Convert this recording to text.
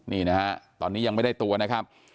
นี่นะฮะตอนนี้ยังไม่ได้ตัวนะครับ